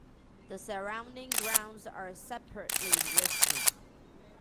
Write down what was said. The surrounding grounds are separately listed.